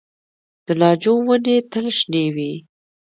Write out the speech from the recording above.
د ناجو ونې تل شنې وي؟